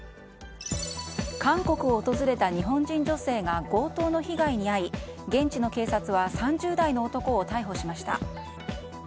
韓国を訪れた日本人女性が強盗の被害に遭い現地の警察は３０代の男を逮捕しました。